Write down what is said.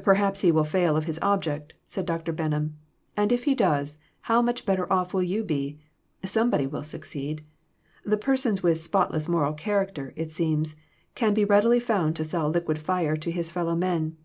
"Perhaps he will fail of his object," said Dr. Benham ;" and if he does, how much better off will you be ? Somebody will succeed. The per son with * spotless moral character,' it seems, can be readily found to sell liquid fire to his fellow men.